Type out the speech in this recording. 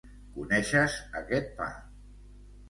Coneixes aquest pa